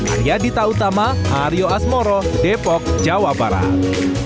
arya dita utama aryo asmoro depok jawa barat